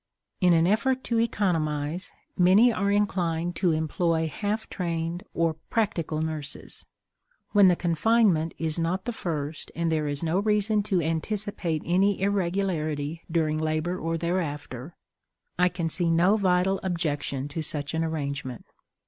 In an effort to economize, many are inclined to employ "half trained" or "practical nurses." When the confinement is not the first and there is no reason to anticipate any irregularity during labor or thereafter, I can see no vital objection to such an arrangement.